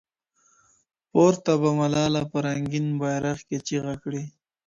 پورته به ملاله په رنګین بیرغ کي چیغه کړي